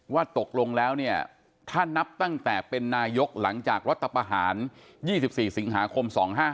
ว่าตกลงแล้วเนี่ยถ้านับตั้งแต่เป็นนายกหลังจากรัฐประหาร๒๔สิงหาคม๒๕๖